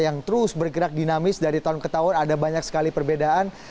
yang terus bergerak dinamis dari tahun ke tahun ada banyak sekali perbedaan